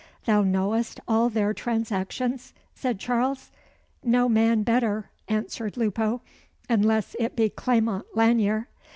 "Thou knowest all their transactions?" said Charles. "No man better," answered Lupo; "unless it be Clement Lanyere."